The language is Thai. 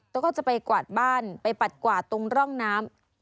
แล้วก็จะไปกวาดบ้านไปปัดกวาดตรงร่องน้ำ